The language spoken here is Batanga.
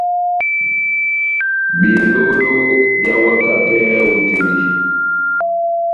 Belóló beháwaka pɛhɛ hú tɛ́h dí.